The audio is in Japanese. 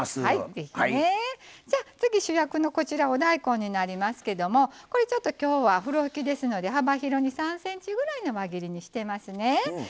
次、主役のお大根になりますけどこれ、ちょっと、きょうはふろふきですので幅広に３ｃｍぐらいの輪切りにしてますね。